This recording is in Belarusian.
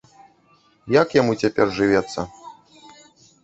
Як яму цяпер жывецца.